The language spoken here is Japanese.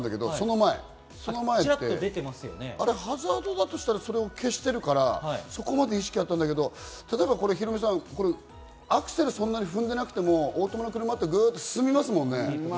ハザードだとしたら、それを消しているから、そこまで意識はあったんだけど、例えばヒロミさん、アクセルをそんなに踏んでいなくても、オートマの車って進みますもんね。